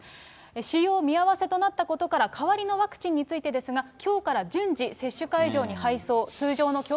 使用見合わせとなったことから、代わりのワクチンについてですが、きょうから順次、接種会場に配送。